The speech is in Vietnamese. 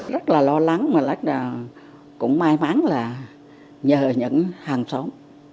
rất là lo lắng mà lúc nào cũng may mắn là nhờ những hàng xóm